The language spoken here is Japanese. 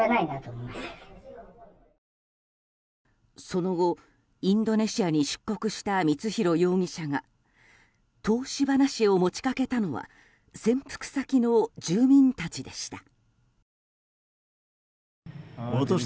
その後インドネシアに出国した光弘容疑者が投資話を持ち掛けたのは潜伏先の住民たちでした。